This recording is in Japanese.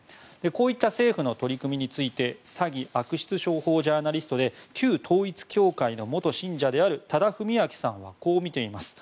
こういった政府の取り組みについて詐欺・悪徳商法ジャーナリストで旧統一教会の元信者である多田文明さんはこう見ています。